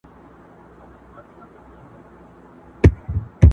پلار ډېر کمزوری سوی دی اوس،